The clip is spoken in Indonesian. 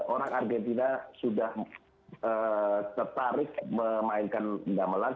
orang argentina sudah tertarik memainkan gamelan